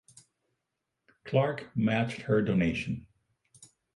Clarke matched her donation.